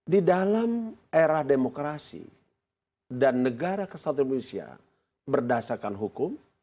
di dalam era demokrasi dan negara kesatuan indonesia berdasarkan hukum